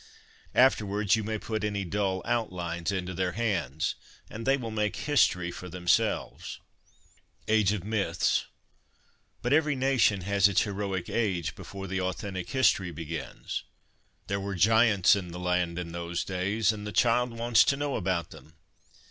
Afterwards, you may put any dull outlines into their hands, and they will make history for themselves. Age of Myths. But every nation has its heroic age before authentic history begins : there were giants in the land in those days, and the child wants to know about them.